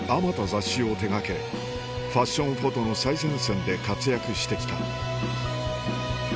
雑誌を手掛けファッションフォトの最前線で活躍して来た